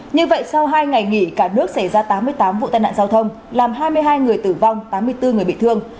như vậy sau hai ngày nghỉ cả nước xảy ra tám mươi tám vụ tai nạn giao thông làm hai mươi hai người tử vong tám mươi bốn người bị thương